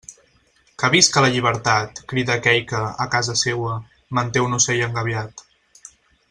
Que visca la llibertat, crida aquell que, a casa seua, manté un ocell engabiat.